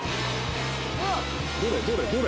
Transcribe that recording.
「どれ？